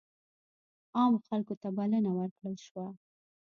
عامو خلکو ته بلنه ورکړل شوه.